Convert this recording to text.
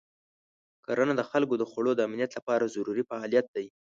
کرنه د خلکو د خوړو د امنیت لپاره ضروري فعالیت دی.